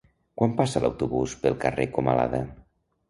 Quan passa l'autobús pel carrer Comalada?